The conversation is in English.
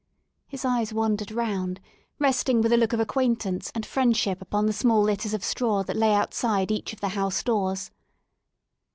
His eyes wandered round, resting with a look of acquaintance and friendship upon the small litters of straw that lay outside each of the house doors.